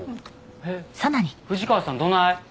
へえー藤川さんどない？